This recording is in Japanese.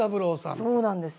そうなんですよ。